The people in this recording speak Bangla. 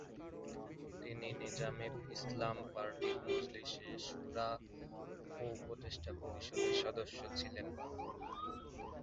তিনি নেজামে ইসলাম পার্টির মজলিসে শুরা ও উপদেষ্টা পরিষদের সদস্য ছিলেন।